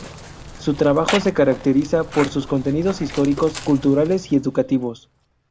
Su trabajo se caracteriza por sus contenidos históricos, culturales y educativos.